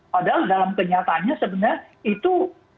padahal dalam kenyataannya sebenarnya itu